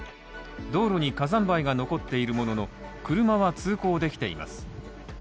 道路に火山灰が残っているものの、車は通行できています。